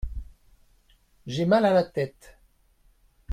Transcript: J’ai mal à la tête.